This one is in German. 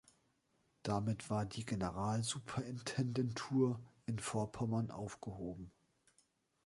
Damit war die Generalsuperintendentur in Vorpommern aufgehoben.